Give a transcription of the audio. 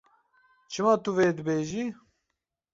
Çima tu vê dibêjî?